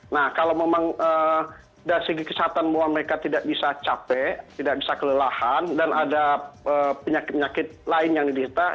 nah kalau memang dari segi kesehatan bahwa mereka tidak bisa capek tidak bisa kelelahan dan ada penyakit penyakit lain yang dideta